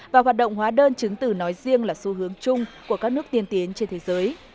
và hoạt động hóa đơn chứng từ nói riêng là xu hướng chung của các nước tiên tiến trên thế giới